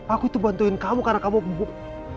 aku itu bantuin kamu karena kamu mabuk